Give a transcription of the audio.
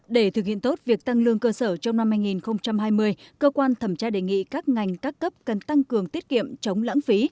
để thực hiện tốt việc tăng lương cơ sở trong năm hai nghìn hai mươi cơ quan thẩm tra đề nghị các ngành các cấp cần tăng cường tiết kiệm chống lãng phí